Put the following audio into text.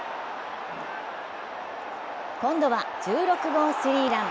今度は１６号スリーラン。